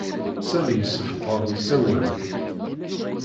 Sami yessefqed usawen.